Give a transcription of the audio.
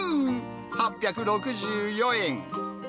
８６４円。